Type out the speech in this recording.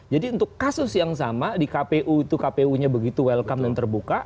untuk kasus yang sama di kpu itu kpu nya begitu welcome dan terbuka